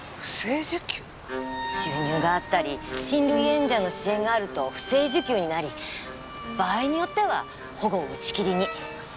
収入があったり親類縁者の支援があると不正受給になり場合によっては保護を打ち切りに。